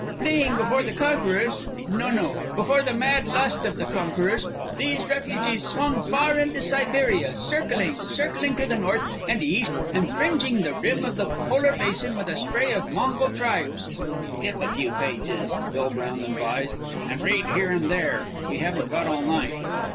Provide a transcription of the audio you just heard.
Fleeing before the conquerors_,' no, no, '_before the mad lust of the conquerors, these refugees swung far into Siberia, circling, circling to the north and east and fringing the rim of the polar basin with a spray of Mongol tribes_.'" "Skip a few pages," Bill Brown advised, "and read here and there. We haven't got all night."